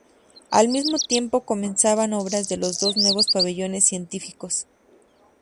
Al mismo tiempo, comenzaban obras de los dos nuevos pabellones científicos.